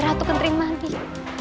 ratu kendrima nik